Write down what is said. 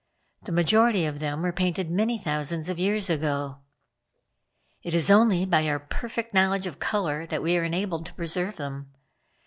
The majority of them were painted many thousands of years ago. It is only by our perfect knowledge of color that we are enabled to preserve them.